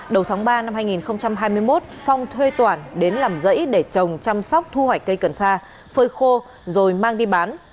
đầu tháng ba năm hai nghìn hai mươi một phong thuê toàn đến làm dãy để trồng chăm sóc thu hoạch cây cần sa phơi khô rồi mang đi bán